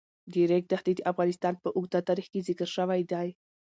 د ریګ دښتې د افغانستان په اوږده تاریخ کې ذکر شوی دی.